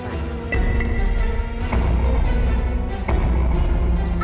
demi kesembuhan sifah